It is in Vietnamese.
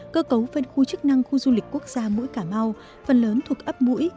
cơ cấu phân khu chức năng khu du lịch quốc gia mũi cà mau phần lớn thuộc ấp mũi